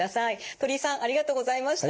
鳥居さんありがとうございました。